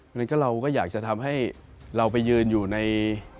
เพราะฉะนั้นเราก็อยากจะทำให้เราไปยืนอยู่ใน